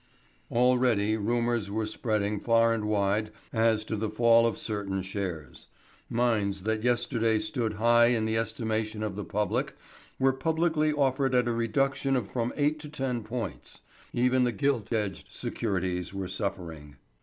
Already rumours were spreading far and wide as to the fall of certain shares. Mines that yesterday stood high in the estimation of the public were publicly offered at a reduction of from eight to ten points; even the gilt edged securities were suffering.